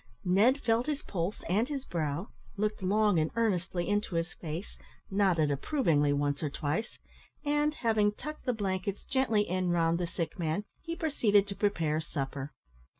Ned felt his pulse and his brow, looked long and earnestly into his face, nodded approvingly once or twice, and, having tucked the blankets gently in round the sick man, he proceeded to prepare supper.